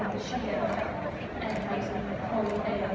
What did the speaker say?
มันเป็นสิ่งที่จะให้ทุกคนรู้สึกว่า